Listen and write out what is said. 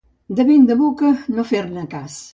De vent de boca, no fer-ne cas.